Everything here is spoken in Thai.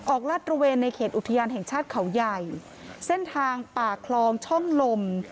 ลาดตระเวนในเขตอุทยานแห่งชาติเขาใหญ่เส้นทางปากคลองช่องลม